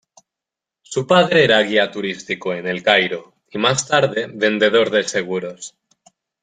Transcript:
Su padre era guía turístico en El Cairo y, más tarde, vendedor de seguros.